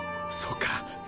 そうか。